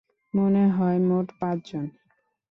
মনে হয় মোট পাঁচজন।